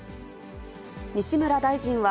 西村大臣は、